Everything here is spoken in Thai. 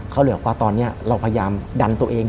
เขาเหลือกว่าตอนนี้เราพยายามดันตัวเอง